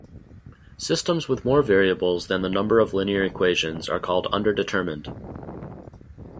Systems with more variables than the number of linear equations are called underdetermined.